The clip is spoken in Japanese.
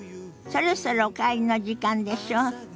そろそろお帰りの時間でしょ？